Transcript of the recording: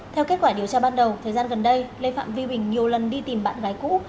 theo kết quả điều tra ban đầu thời gian gần đây lê phạm vi bình nhiều lần đi tìm bạn gái cũ